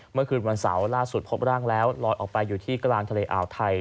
เมื่อคืนวันเสาร์ล่าสุดพบร่างแล้วลอยออกไปอยู่ที่กลางทะเลอ่าวไทย